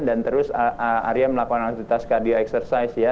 dan terus aria melakukan aktivitas cardio exercise ya